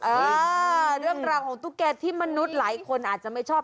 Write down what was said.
เออเรื่องราวของตุ๊กแก่ที่มนุษย์หลายคนอาจจะไม่ชอบ